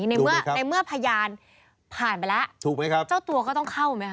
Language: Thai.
ในเมื่อพยานผ่านไปแล้วเจ้าตัวก็ต้องเข้าไหมครับ